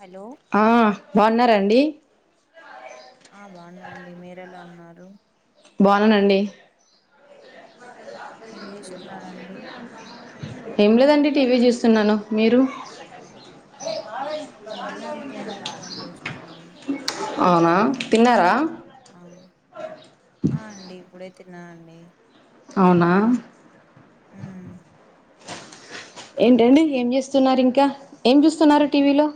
hello ఆ బాగున్నారా అండి ఆ బాగున్నా అండి మీరెలా ఉన్నారు బాగున్నానండి ఏం చేస్తున్నారండి ఏం లేదండి టీవీ చూస్తున్నాను మీరు నేను అంతే అండి ఫోన్ చూస్తున్నాను అవునా తీన్నారా ఆ అండి ఇప్పుడే తిన్నా అండి అవునా ఉమ్ ఏంటండి ఏం చేస్తున్నారు ఇంకా ఏం చూస్తున్నారు టీవీలో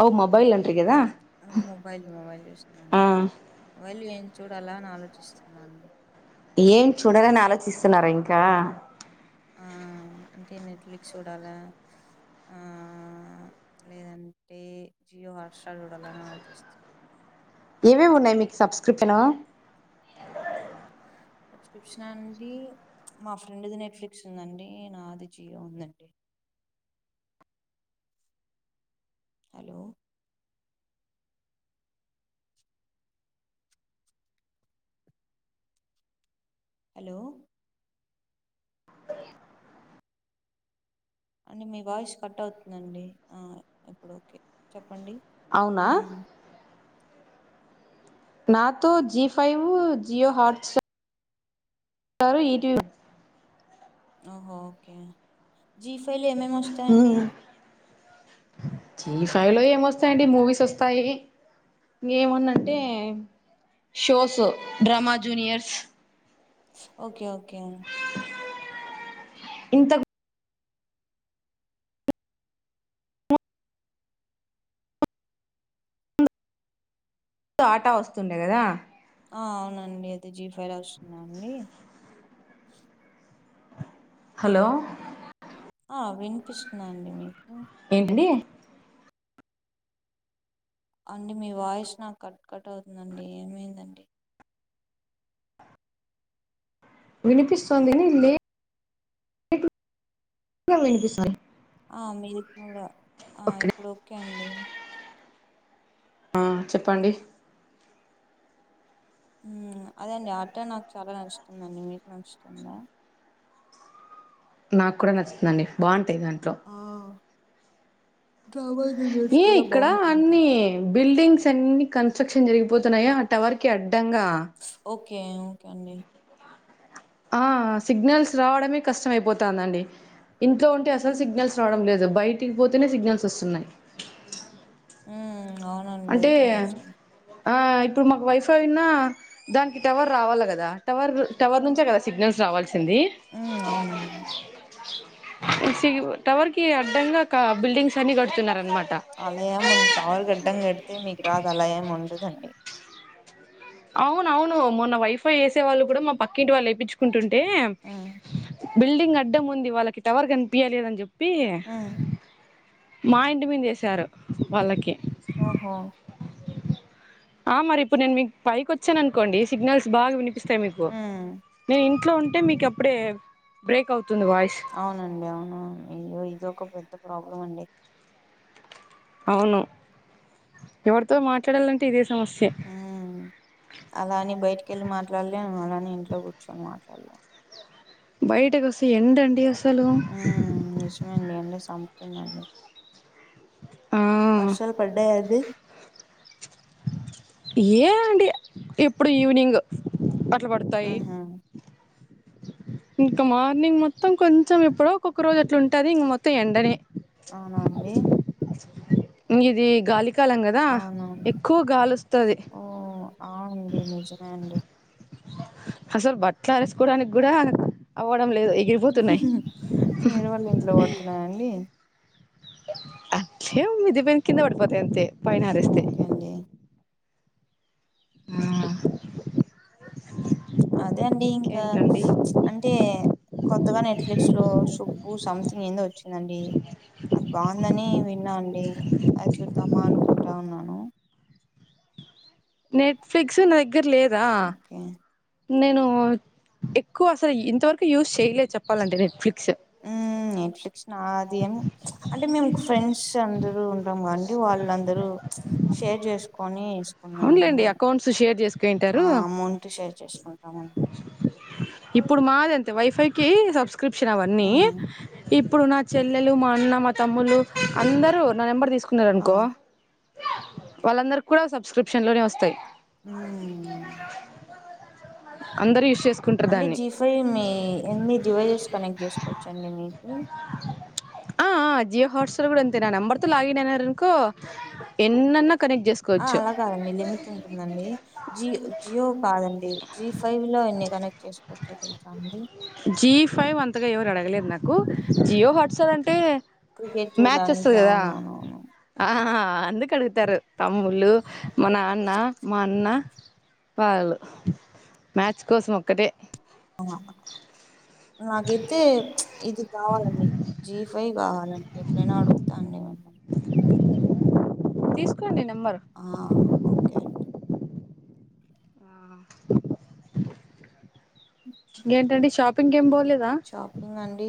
అవ మొబైల్ అండ్రిగదా మొబైల్ మొబైల్ చూస్తున్నా అండి మొబైల్ ఏం చూడాల అని ఆలోచిస్తున్నా అండి ఏం చూడాలని ఆలోచిస్తున్నారా ఇంకా ఆ అంటే నెట్ ఫ్లిక్స్ చూడాలా ఆ లేదంటే జియో హాట్ స్టార్ చూడాల అని ఆలోచిస్తుంది ఏవేవి ఉన్నాయి మీకు సబ్స్క్రిప్షన్ సబ్స్క్రిప్షన్ అండి మా ఫ్రెండ్ది నెట్ఫ్లిక్స్ ఉందండి నాది జియో ఉందండి హలో హలో అండి మీ వాయిస్ కట్ అవుతుందండి ఆ ఇప్పుడు ఓకే చెప్పండి అవునా ఉమ్ నాతో Zee five Jio huts star ETV ఓహో ఓకే జీ ఫైవలో ఏమేమి వస్తాయండి జీ ఫైవ్ లో ఏమొస్తాయిండి మూవీస్ వస్తాయి ఏముందంటే అంటే shows drama juniors okay okay ఇంత ఆటా వస్తుండే కదా ఆ అవునండి అది జీ ఫైర్ లో వస్తుంద అండి హలో ఆ వినిపిస్తున్నాదా అండి మీకు ఏంటిది అండి మీ వాయిస్ నాకు కట్ కట్ అవుతుందండి ఏమైందండి వినిపిస్తుందిని లే వినిపిస్తుంది [unintelligible] ఆ మీది కూడా ఆ ఇప్పుడు ఓకే అండి ఆ చెప్పండి అదే అండి ఆట నాకు చాలా నచ్చుందండి మీకు నచ్చుతుందా నాకు కూడా నచ్చుందండి బాగుంటాయి దాంట్లో ఆ డ్రామా జూనియర్స్ ఏ కూడా ఇక్కడ బాగుంటుందడి అన్ని బిల్డింగ్స్ అన్ని కన్స్ట్రక్షన్ జరిగిపోతున్నాయో ఆ టవర్ కి అడ్డంగా ఓకే ఒకే అండి ఆ సిగ్నల్స్ రావడమే కష్టమైపోతుందండి ఇంట్లో ఉంటే అసలు సిగ్నల్స్ రావడం లేదు బయటికి పోతేనే సిగ్నల్స్ వస్తున్నాయి ఉం అవునండి అంటే అయితే నే ఆ ఇప్పుడు మాకు వైఫై ఉన్న దానికి టవర్ రావాలా కదా టవర్ టవర్ నుంచే కదా సిగ్నల్స్ రావాల్సింది ఉం అవునండి టవర్ కి అడ్డంగా కా బిల్డింగ్స్ అన్ని గడుతున్నారు అనమాట అలా ఏం టవర్ కడ్డం కడితే మీకు రాదు అలా ఏమి ఉండదండి అవున అవును మొన్న వైఫై వేసే వాళ్ళు కూడా మా పక్కింటి వాళ్ళు ఏప్పించుకుంటుంటే ఉం బిల్డింగ్ అడ్డం ఉంది వాళ్ళకి టవర్ కనిపియలేదని చెప్పి ఉమ్ మా ఇంటి మీద వేశారు వాళ్ళకి ఓహో ఆ మరి ఇప్పుడు నేను మీకు పైకి వచ్చాను అనుకోండి సిగ్నల్స్ బాగా వినిపిస్తాయి మీకు ఉమ్ నేను ఇంట్లో ఉంటే మీకు అప్పుడే బ్రేక్ అవుతుంది వాయిస్ అవునండి అవునవును అయ్యో ఇది ఒక పెద్ద ప్రాబ్లం అండి అవును ఎవరితో మాట్లాడాలంటే ఇదే సమస్య ఉం అలా అని బయటికిళ్ళి మాట్లాడలేమ్ అలానే ఇంట్లో కూర్చుని మాట్లాడలేమ్ బయట కోస్తే ఎండ అండి అసలు ఉం నిజమండి ఎండ చంపుతుంది ఆ వర్షాలు పడ్డాయాండి ఏ అండి ఎప్పుడు ఈవినింగ్ అట్లా పడతాయి ఉహు ఇంకా మార్నింగ్ మొత్తం కొంచెం ఎప్పుడో ఒకక్క రోజు అట్లా ఉంటుది ఇంక మొత్తం ఎండనే అవునా అండి ఇది గాలి కాలం కదా అవునవును ఎక్కువ గాలి వస్తది ఆ అండి నిజమే అండి హసల్ బట్టలు ఆరేసుకోవడానికి కూడా అవ్వడం లేదు ఎగిరి వేరే వాళ్ళ ఇంట్లో పడుతున్నాయాండి అట్లే మిద్దిమే ను కింద పడిపోతా అంతే పైన ఆరేస్తే ఓకే అండి ఆ అదే అండి ఇంకా ఇంకేంటండి అంటే కొత్తగా నెట్ఫ్లిక్స్ లో సుబ్బు సంథింగ్ ఏందో వచ్చిందండి అది బాగుందని విన్నా అండి అది చూద్దామా అనుకుంటా ఉన్నాను నెట్ఫ్లిక్స్ నా దగ్గర లేదా ఓకే నేను ఎక్కువ అసలు ఇంతవరకు యూస్ చేయలేదు చెప్పాలండి నెట్ఫ్లిక్స్ నెట్ఫ్లిక్స్ నాది అంటే మేము ఫ్రెండ్స్ అందరుూ ఉ మండి వాళ్ళందరూ షేర్ చేసుకొని కొన్ని వున్న అవునులేండి అకౌంట్స్ షేర్ ఆ చేసుకుంటారు అమౌంట్ షేర్ చేసుకుంటామండి ఇప్పుడు మాది అంతే వైఫైకి సబ్స్క్రిప్షన్ అవన్నీ ఉమ్ ఇప్పుడు నా చెల్లెలు మా అన్న మా తమ్ములు అందరూ నా నెంబర్ తీసుకు ఆ ఉన్నారనుకో వాళ్ళందరు కూడా సబ్స్క్రిప్షన్లోనే వస్తాయి మ్మ్ అందరూ యూస్ చేసుకో అంటే జీ ఫైవ్ మీ ఎన్ని డివైజెస్ కనెక్ట్ చేసుకోవచ్చ అండి మీకు ఆ ఆ జియో హోంట్స్టార్ లో కూడా అంతే నా నెంబర్ తో లాగిన్ అయినారనుకో ఎన్నన్న కనెక్ట్ చేస్ ఆ అలా కాదండి లిమిట్ ఉంటుందండి జియో జియో కాదండి జి ఫైవ్ లో ఎన్ని కనెక్ట్ చేసు [unintelligible] జి ఫైవ్ అంతగా ఎవరు అడగలేరు నాకు జియో హాట్ స్టార్ అంటే క్రికెట్ మ్యాచ్ చూడడానికి వస్తది కదా అవునవునవును ఆ ఆ ఆ అందుకు అడుగుతారు తమ్ముళ్ళ మా నాన్న మా అన్న వాళ్ళు మ్యాచ్ కోసం ఒక్కటే ఆ అ నాకైతే ఇది కావాలండి జీ ఫైవ్ కావాలండి ఎప్పుడైనా అడుగుతా అండి తీసుకోండి నెంబర్ ఆ ఓకే అండి ఇంకేంటండి షాపింగ్ ఏం పోలేదా షాపింగ్ అండి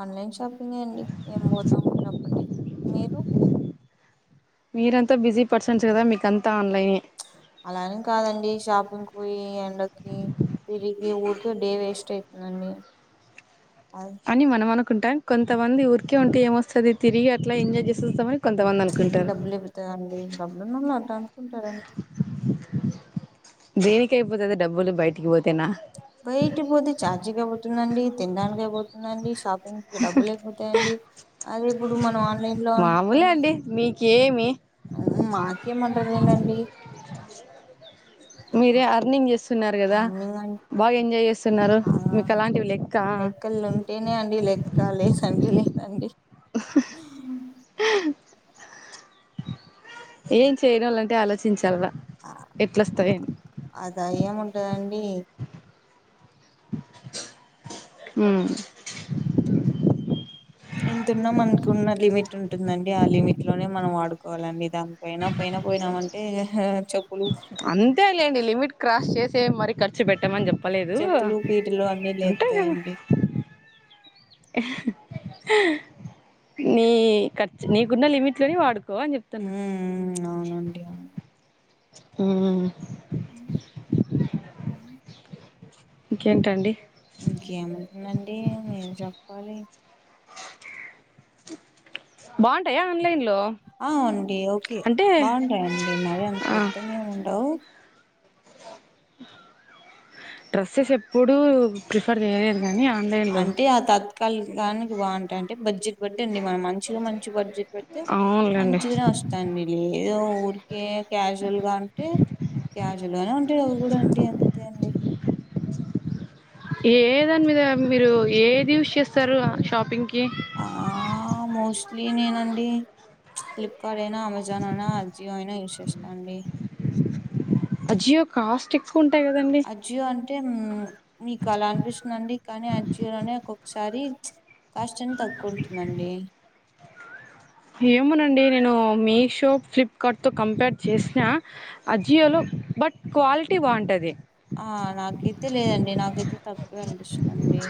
ఆన్లైన్ షాపింగ్ అండి ఏం పోతాం చెప్పండి మీరు మీరంతా బిజీ పర్సన్స్ కదా మీకంతా ఆన్లైనే అలానే కాదండి షాపింగ్ పోయి ఎండ్కి తిరిగి ఊరికి డే వేస్ట్ అయి అండి అ అని మనం అనుకుంటాం కొంతమంది ఊరికే ఉంటే ఏమ వస్తుందిది తిరిగి అలా ఎజాయ్ చేేస్తామని కొంతమంది అ అంటి డబ్బులు ఇబతాండి డబ్బులున్నోల్ అట్ట అనుకుంటారండి దేనికై పోతది డబ్బులు బయటిక్ పోతేనా బయటిక్ పోతే చాచీగై పోతుందండి తిండానిక్ అయి పోతుందండి షాపింగ్ డబ్బు లేకపో తే అండి అదే ఇప్పుడు మనం ఆన్ మామూలే అండి మీకేమి వ్వ్ మాకేమంట రేనండి మీరే అర్నింగ్ చేస్తున్నారు కదా అన్ని బాగ్ ఎంజాయ్ చేస్తున్నారు మీకలాంటివి లెక్క తేనే అండి లక్క లేసంటే లే అండి ఉహ్మ్ ఆ ఏం చేయనోళ్ళంటే ఆలోచించాల్ల ఎట్లొస్తాయని అద యేముంటదండి ఉమ్ ఎంతున్నా మనకు ఉన్న లిమిట్ ఉంటుందండి ఆ లిమిట్ లోనే మనం వాడుకోవాలండి దాన్ పోయినా పొయినా పోయినామంటే హా చెప్ అంతే లేండి లిమిట్ క్రాస్ చేసే మరీ ఖర్చు పెట్టమన్ చెప్ ప్పలేదు చెప్పులు పీటలు అన్ని ఉంటా కదా లేస్తాయండి నీ ఖర్చ్ నీకున్న లిమిట్ లోనె వాడు కో అన్ చెప్తున్న ఊమ్ అవునండి అవున్ ఊఉహ్మ్ ఉం ఉమ్ ఇంకేంటండి ఇంకేముంటుందండి మీరు చెప్పాలి బావుంటయా ఆన్లైన్ లో అ అండి ఓకే బాగుంటాయిండి మరీ అంత ఆ పెద్దగేం ఉండవ్ డ్రెస్సెస్ ఎప్పుడుూ ప్రిఫర్ చేయలేదు గనీ అ అంటే ఆ తాత్కాలిక్ గానిక్ బాగుంటాయ్ అంటే బడ్జెట్ పెట్టండి మనం మంచిగా మంచి బడ్జెట్ పెట్ తె అవునులేండి మంచిగనే ఒస్ తన్న్ మి లేదో ఊరికే క్యాజువల్ గా అంటే క్యాజు ఇలానే ఉంటాయ్ అవి గూడా అండి అంతే అండి ఏ దాని మీద మీరు ఏది యూస్ చేస్తారు షాపింగ్కిి ఆ మోస్ట్లీ నేనండి ఫ్లిప్ క్క నేనా అమెజాన్ అయినా అజియో అయినా యూస్ చేస్తా అండి అజియో కాస్ట్ ఎక్స్ ఉంటాయ్ గదండి అజియో అంటే మ్మ్ మీకలా అనిపిస్తుందండి కానీ అజియో లోనే కొక్ సారి కాస్ట్ ఎన్ తక్కువుంటుందండి ఏమోనండి నేను మీషో ఫ్లిప్కార్ట్తో కంపేర్ చేసిన అజియో లో బట్ క్వాలిటీ బావుంటది ఆ నాకీతే లేదండి నాకైతే తక్కువె అనిపిస్తుంది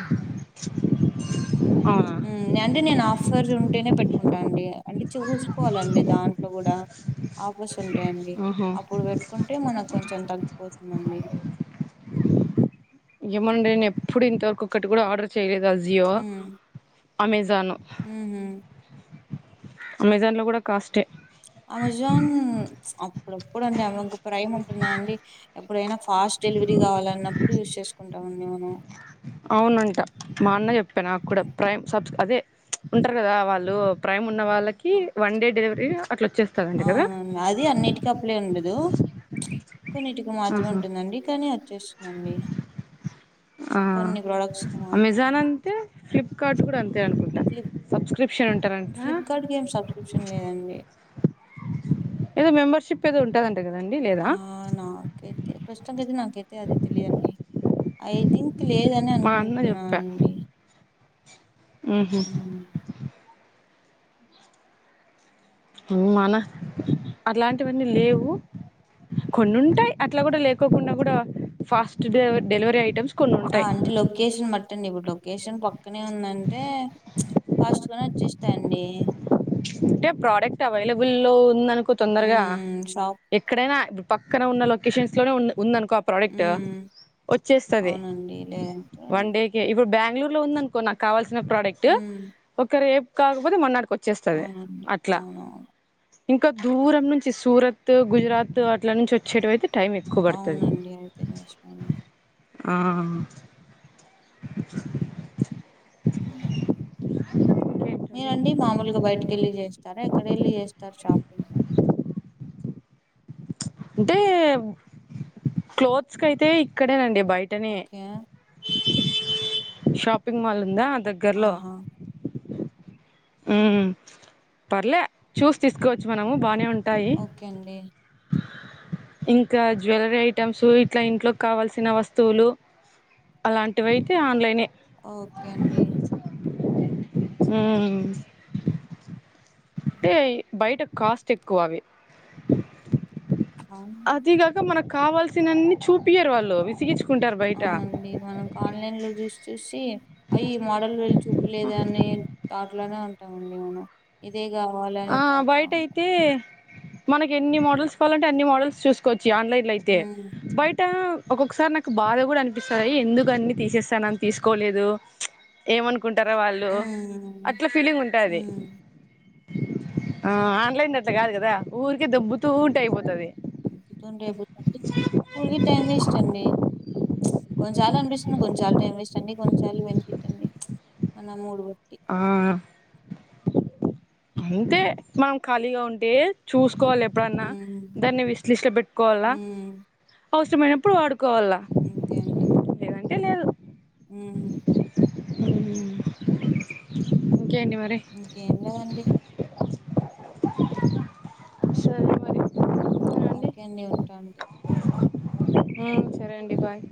అవున ఉమ్ న్యంటే నేన్ ఆఫర్స్ ఉంటేనే పెట్టుకుంటా అండి అంటే చూసుకోవాలండి దాంట్లో గూడా ఆఫస్ ఉంటాయండి ఆహా అప్పుడు వెట్టుకుంటే మనక్ కొంచెం తగ్గిపోతుందండి ఏమోనండి నేన్ ఎప్పుడు ఇంతవరకు ఒకటి కూడా ఆర్డర్ చేయలేద్ ఆజియో అమెజాను ఊహు అమెజాన్లో కూడా కాష్టే అమెజాన్ అప్పుడప్పుడు అండి అమె ఒక ప్రైమ్ ఉంటుందండి ఎప్పుడైనా ఫాస్ట్ డెలివరీ కావాల అన్నప్పుడు యూస్ చేసుకుంటామండి మేము అవునంట మా అన్న చెప్పే నాకు కూడా ప్రైమ్ సబ్ అదే ఉంటారు కదా వాళ్ళు ప్రైమ్ ఉన్న వాళ్ళకి వన్డే డెలివరీ అట్లా వచ్చేస్తా అవునండి అది అన్నిటికీ అప్లై ఉండదు కొన్నింటికి మాత్రమే ఆహా ఉంటుందండి కానీ వచ్చే అండి కొన్ని ప్రోడక్ట్స్ మాత్రమే అయితే ఫ్లిప్కార్ట్ కూడా అంతే అనుకుంట ఫ్లిప్ ఫ్లిప్కార్ట్కి ఏం సబ్స్క్రిప్షన్ లేదండి ఏదో మేంబర్షిప్ ఏదో ఉంటుందంట కదండి లేదా ఆ నాకైతే ప్రస్తుతానికైతే నాకు అది తెలియదండి థింక్ లేదని మా అన్న చెప్పా అనుకుంటున్నానండి ఉహు మన అలాంటివన్నీ లేవు కొన్ని ఉంటాయి అట్లా కూడా లేకోకుండా కూడా ఫాస్ట్ డెలివరీ ఐటమ్స్ కొన్ని ఆ ఉంటాయి అంటే లొకేషన్ మట్ ట్టండి ఇప్పుడు లొకేషన్ పక్కనే ఉందంటే ఫాస్టుగా వచ్చేస్తాయండి అంటే ప్రోడక్ట్ అవైలబుల్ ఉందనుకో తొందరగా ఉమ్ షాప్ ఎక్కడైనా ఇప్పుడు పక్కన ఉన్న లొకేషన్స్ లోనే ఉ ఉందనుకో ప్రొడక్ట్ ఉమ్ వచ్చేస్తది అవునండి లేదంటే వన్ డే ఇప్పుడు బెంగళూరులో ఉందనుకో నాకువాల్సిన ప్రోడక్ట్ ఉమ్ ఒక రేపు కాకపోతే మొన్నటికి వచ్చేస్తుంది అవునండి అట్లా అవునవును ఇంకా దూరం నుంచి సూరత్ గుజరాత్ అట్ల నుంచి వచ్చేట అయితే టైమ్ ఎక్కువ పడుతుంది అవునండి అయితే నిజమే అండి ఆ ఉ మీరండి మామూలుగా బయటకి వెళ్ళి చేస్తారా ఎక్కడ వెళ్ళి చేస్తారు షాపింగ్ అంటే క్లాత్స్కి అయితే ఇక్కడేనండి బయటనే ఓకే షాపింగ్ మాల్ ఉందా దగ్గర్లో ఆహా పర్లే చూసి తీసుకోవచ్చు మనము బాగానే ఉంటాయి ఓకే అండి ఇంకా జ్యువెలరీ ఐటెమ్స్ ఇట్లా ఇంట్లో కావల్సిన వస్తువులు అలాంటివయితే ఆన్లైనే ఓకే అండి ఉమ్ అంటే బయట కాస్ట్ ఎక్కువవి అవును అదిగా ఇ మనకు కావాల్సినన్ని చూపియారు వాళ్ళు విసిగిస్తారు అవునండి మనకు ఆన్లైన్లో చూస్త చూసీ అయ్ ఈ మోడల్ వీల్ చూపలేదు అనే తాట్లోనే ఉంటామండి మనం ఇదే ఆ కావాలనే తాట్లో బయట ఉంటాం అయితే మనకి ఎన్ని మోడల్స్ కావాలంటే అన్ని మోడల్స్ చూసుకోవచ్చు ఈ ఆన్లైన్లో అయితే ఉమ్ బయటా ఒక్కొక్కసారి నాకు బాధ కూడా అనిపిస్తాది ఎందుకు అన్ని తీసేస్తన్నం తీసుకోలేదూ ఏమనుకో కుంటార వాళ్ళు ఉమ్ అట్ల ఫీలింగ్ ఉంటాది ఉమ్ ఆ ఆన్లైన్ అట్ల కాదు కదా ఊర్కె దొబ్బుతూ ఉంటే అయిపోతది వద్దంటే ఎగురుతుంది ఓన్లీ టైం వేస్ట్ అండి కొన్ని చాలనిపిస్తుంది కొన్నిసార్లు టైం వేస్ట్ అని కొన్నిసార్లు బెనిఫిట్ అండి మన మూడుబట్టి ఆ అంతే మనం ఖాళీగా ఉంటే చూసుకోలేం ఎప్పుడన్నా ఉమ్ దాన్ని విష్ లిస్టులో పెట్టుకోవాలా ఉమ్ అవసరమైనప్పుడు వాడుకోవాలా అంతే అండి లేదంటే లేదు మ్ హు ఇంకేటీ మరి ఏం లేదండి సరే మరి అవునండి ఓకే అండి ఉంటా అండి మ్ సరే అండి బాయ్